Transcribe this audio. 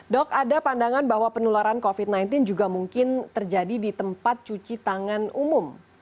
dok ada pandangan bahwa penularan covid sembilan belas juga mungkin terjadi di tempat cuci tangan umum